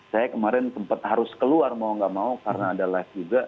saya kemarin sempat harus keluar mau nggak mau karena ada live juga